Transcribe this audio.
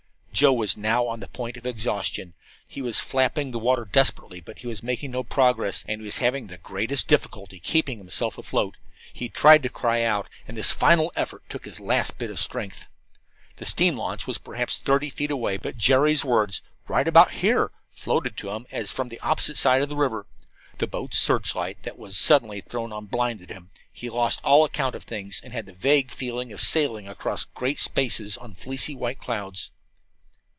Joe was now on the point of exhaustion. He was flapping the water desperately, but he was making no progress, and he was having the greatest difficulty keeping himself afloat. He tried to cry out, and this final effort took his last bit of strength. The steam launch was then perhaps thirty feet away, but Jerry's words, "Right about here," floated to him as from the opposite side of the river. The boat's searchlight that was then suddenly thrown on blinded him; he lost all account of things, and had the vague feeling of sailing across great spaces on fleecy white clouds.